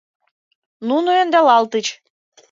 Нуно ӧндалалтыч.